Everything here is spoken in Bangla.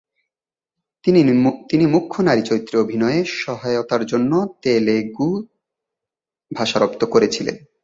তিনি মুখ্য নারী চরিত্রে অভিনয়ে সহায়তার জন্য তেলুগু ভাষা রপ্ত করেছিলেন।